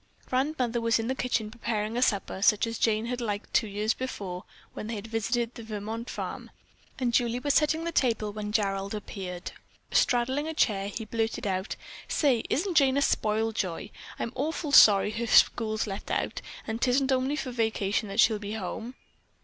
Grandmother was in the kitchen preparing a supper such as Jane had liked two years before when she had visited the Vermont farm, and Julie was setting the table, when Gerald appeared. Straddling a chair he blurted out, "Say, isn't Jane a spoil joy? I'm awful sorry her school's let out, and 'tisn't only for vacation that she'll be home.